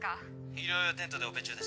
医療用テントでオペ中です